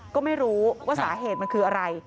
ก็ไม่รู้ว่าสาเหตุมันคืออะไร